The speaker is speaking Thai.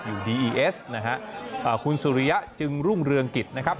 อยู่ดีอีเอสนะฮะคุณสุริยะจึงรุ่งเรืองกิจนะครับ